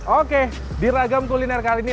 oke di ragam kuliner kali ini